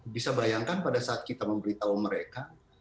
bisa bayangkan pada saat kita memberi tahu mereka